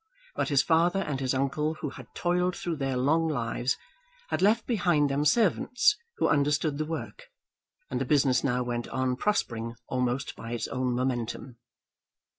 But his father and his uncle, who had toiled through their long lives, had left behind them servants who understood the work, and the business now went on prospering almost by its own momentum.